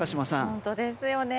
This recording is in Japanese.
本当ですよね。